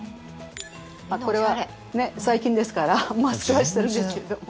これは最近ですからマスクはしてるんですけれども。